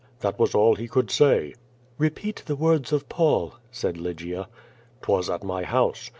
That was all he could say." "Repeat the words of Paul," said Lygia. "'Twas at my house.